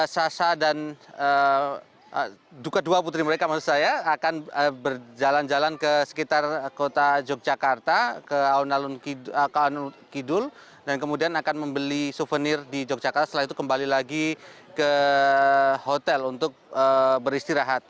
sasa dan kedua putri mereka maksud saya akan berjalan jalan ke sekitar kota yogyakarta ke alun alun kidul dan kemudian akan membeli souvenir di yogyakarta setelah itu kembali lagi ke hotel untuk beristirahat